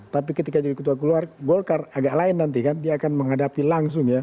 tapi ketika jadi ketua keluar golkar agak lain nanti kan dia akan menghadapi langsung ya